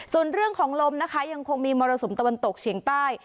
ส่วนเรื่องของลมนะคะยังคงมีมรสุมตะวันตกเฉียงใต้